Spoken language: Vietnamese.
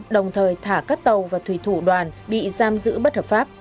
đồng thời thả các tàu và thủy thủ đoàn bị giam giữ bất hợp pháp